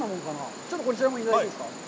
ちょっと、こちらもいただいていいですか。